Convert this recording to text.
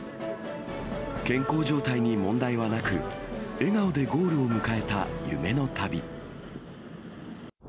健康状態に問題はなく、笑顔でゴールを迎えた夢の旅。